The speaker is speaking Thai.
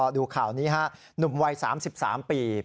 ดูข่าวนี้ฮะหนุ่มวัย๓๓ปี